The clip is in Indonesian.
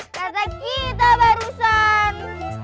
kata kita barusan